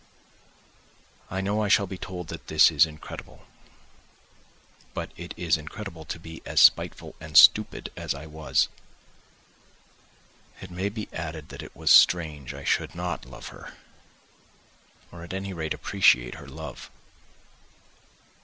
I know I shall be told that this is incredible—but it is incredible to be as spiteful and stupid as I was; it may be added that it was strange I should not love her, or at any rate, appreciate her love.